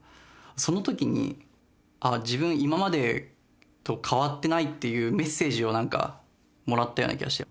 そのときに、ああ、自分、今までと変わってないっていうメッセージを、なんか、もらったような気がして。